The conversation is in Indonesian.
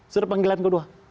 suruh panggilan kedua